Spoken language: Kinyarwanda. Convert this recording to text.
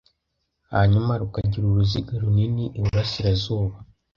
hanyuma rukagira uruziga runini iburasirazuba